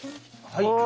はい。